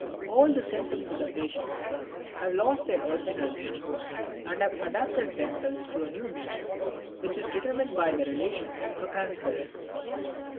All the symptoms of the patient have lost their original meaning and have adapted themselves to a new meaning, which is determined by its relation to transference.